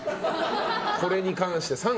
これに関して△。